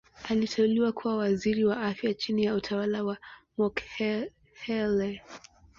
Aliteuliwa kuwa Waziri wa Afya chini ya utawala wa Mokhehle.